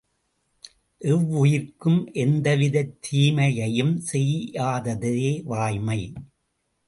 எவ்வுயிர்க்கும் எந்தவிதத் தீமையையும் செய்யாததே வாய்மை.